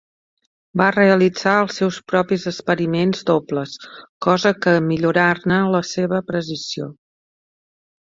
Va realitzar els seus propis experiments dobles cosa que millorar-ne la seva precisió.